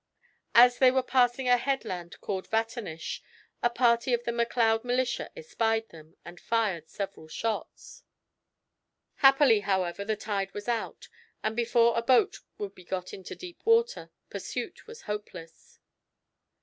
As they were passing a headland called Vaternish, a party of the Macleod militia, espied them, and fired several shots. Happily, however, the tide was out, and before a boat would be got into deep water, pursuit was hopeless.